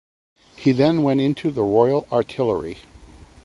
He then went into the Royal Artillery.